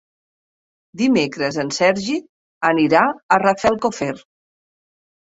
Dimecres en Sergi anirà a Rafelcofer.